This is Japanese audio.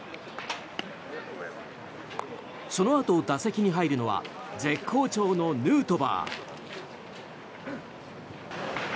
そのあと打席に入るのは絶好調のヌートバー。